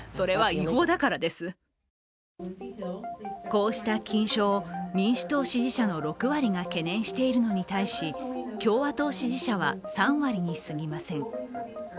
こうした禁書を民主党支持者の６割が懸念しているのに対し共和党支持者は３割にすぎません。